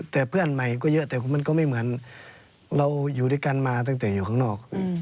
แต่เพื่อนใหม่ก็เยอะแต่มันก็ไม่เหมือนเราอยู่ด้วยกันมาตั้งแต่อยู่ข้างนอก